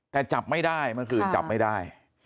แต่จับไม่ได้เมื่อคืนจับไม่ได้